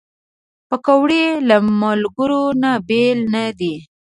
پکورې له ملګرو نه بېل نه دي